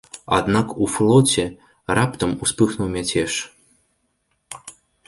Аднак у флоце раптам успыхнуў мяцеж.